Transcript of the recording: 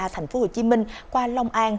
thành phố hồ chí minh qua lòng an